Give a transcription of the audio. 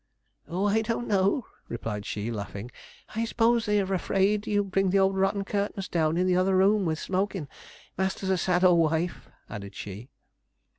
'Oh! I don't know,' replied she, laughing; 'I s'pose they're afraid you'll bring the old rotten curtains down in the other room with smokin'. Master's a sad old wife,' added she.